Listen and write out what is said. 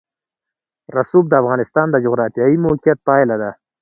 رسوب د افغانستان د جغرافیایي موقیعت پایله ده.